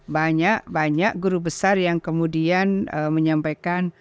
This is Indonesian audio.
banyak banyak guru besar yang kemudian menyampaikan